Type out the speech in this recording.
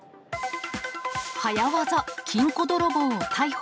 早業、金庫泥棒を逮捕。